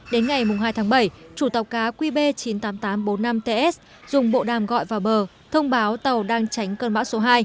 đến ngày hai tháng bảy chủ tàu cá qb chín mươi tám nghìn tám trăm bốn mươi năm ts dùng bộ đàm gọi vào bờ thông báo tàu đang tránh cơn bão số hai